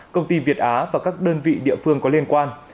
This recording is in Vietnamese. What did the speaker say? công ty việt á và các đơn vị địa phương có liên quan